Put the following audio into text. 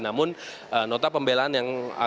namun nota pembelaan yang